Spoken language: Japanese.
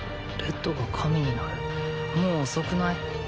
レッドが神になるもう遅くない？